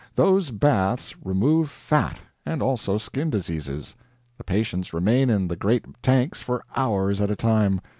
Those baths remove fat, and also skin diseases. The patients remain in the great tanks for hours at a time.